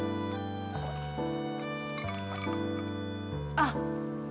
あっ！